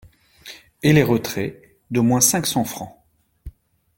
et les retraits, d'au moins cinq cents fr.